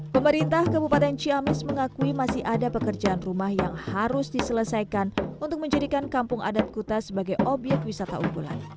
pemerintah kabupaten ciamis mengakui masih ada pekerjaan rumah yang harus diselesaikan untuk menjadikan kampung adat kuta sebagai obyek wisata unggulan